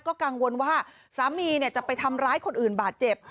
ก็กังวลว่าสามีจะไปทำร้ายคนอื่นบาดเจ็บ